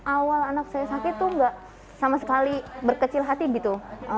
awal anak saya sakit tuh gak sama sekali berkecil hati gitu